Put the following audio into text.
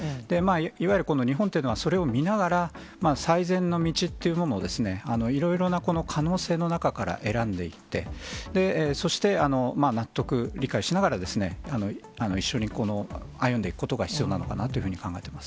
いわゆるこの日本というのは、それを見ながら、最善の道っていうものを、いろいろな可能性の中から選んでいって、そして納得、理解しながら、一緒に歩んでいくことが必要なのかなというふうに考えています。